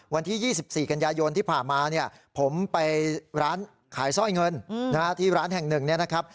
วันที่๒๔กันยายนที่ผ่านมาเนี่ยผมไปร้านขายสร้อยเงินที่ร้านแห่งหนึ่งเนี่ยนะครับ